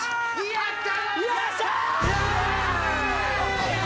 やった！